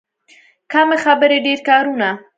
کم خبرې، ډېر کارونه.